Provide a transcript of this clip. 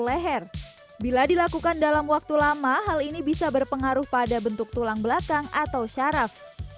leher bila dilakukan dalam waktu lama hal ini bisa berpengaruh pada bentuk tulang belakang atau syaraf